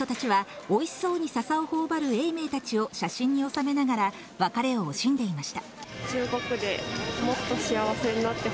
訪れた人たちはおいしそうにササをほおばる永明たちを写真に収めながら、別れを惜しんでいました。